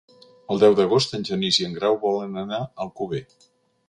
El deu d'agost en Genís i en Grau volen anar a Alcover.